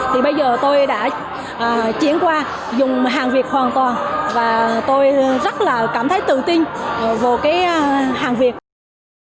thì bây giờ tôi đã chuyển qua dùng hàng việt hoàn toàn và tôi rất là cảm thấy tự tin vào cái hàng việt